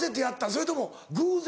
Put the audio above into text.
それとも偶然？